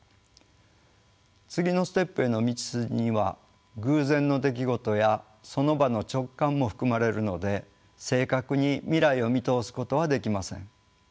次のステップへの道筋には偶然の出来事やその場の直感も含まれるので正確に未来を見通すことはできません。